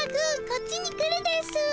こっちに来るですぅ。